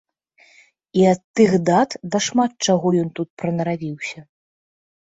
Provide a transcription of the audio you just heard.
І ад тых дат да шмат чаго ён тут прынаравіўся.